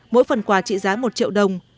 mỗi phần quà trị giá một triệu đồng